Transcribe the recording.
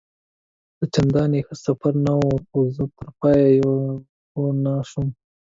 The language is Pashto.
دا چنداني ښه سفر نه وو، خو زه تر پایه پوه نه شوم.